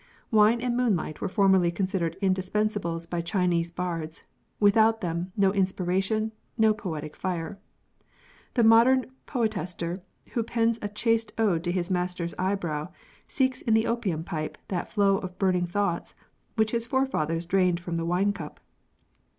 Wine and moonlight were formerly considered indispen sables by Chinese bards ; without them, no inspiration, no poetic fire. The modern poetaster who pens a chaste ode to his mistress's eyebrow, seeks in the opium pipe that flow _of burning thoughts which his forefathers drained from the wine cup.